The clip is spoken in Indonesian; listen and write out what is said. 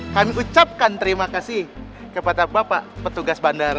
kami ucapkan terima kasih kepada bapak petugas bandara